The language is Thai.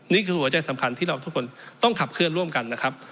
หัวใจสำคัญที่เราทุกคนต้องขับเคลื่อนร่วมกันนะครับ